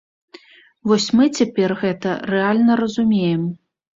Вось мы цяпер гэта рэальна разумеем.